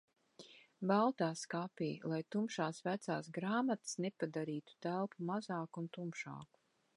Baltā skapī, lai tumšās, vecās grāmatas nepadarītu telpu mazāku un tumšāku.